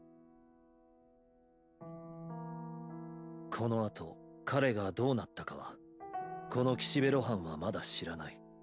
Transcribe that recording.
このあと彼がどうなったかはこの岸辺露伴はまだ知らない。